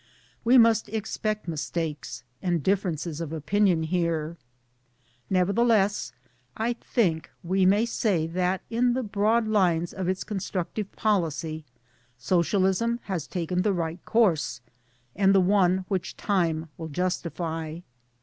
We must expect mistakes and differences of opinion here. Nevertheless I think we may say that in the broad' lines of its constructive policy Socialism has taken the right course and the one which time will justify.